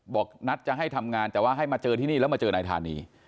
บอกนัดจะให้ทำงานแต่ว่าให้มาเจอที่นี่แล้วมาเจอนายธานี